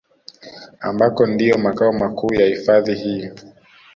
Ambako ndiyo makao makuu ya hifadhi hii